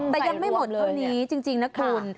แต่ยังไม่หมดเท่านี้จริงนะคุณ